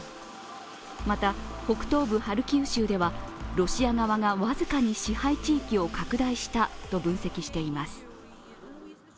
また、北東部ハルキウ州ではロシア側が僅かに支配地域を拡大したと分析しています。